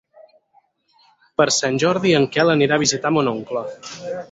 Per Sant Jordi en Quel anirà a visitar mon oncle.